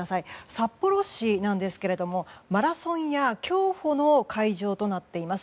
札幌市なんですけれどもマラソンや競歩の会場となっています。